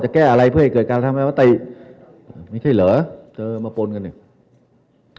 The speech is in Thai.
แก้อะไรเพื่อให้เกิดการทำให้มติไม่ใช่เหรอเจอมาปนกันเนี่ย